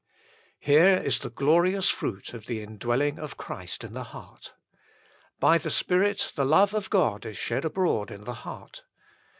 Here is the glorious fruit of the indwelling of Christ in the heart. By the Spirit the love of God is shed abroad in the heart.